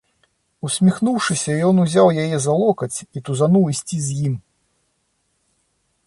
Усміхнуўшыся, ён узяў яе за локаць і тузануў ісці з ім.